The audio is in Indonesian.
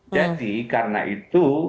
jadi karena itu